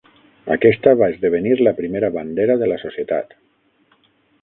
Aquesta va esdevenir la primera bandera de la societat.